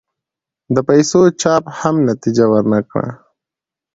د پیسو چاپ هم نتیجه ور نه کړه.